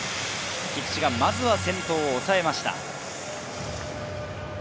菊地がまず先頭を抑えました。